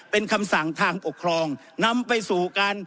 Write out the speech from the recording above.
เป็นคำสั่งทางปกครองนำไปสู่การ